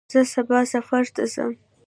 زه سبا سفر ته ځم.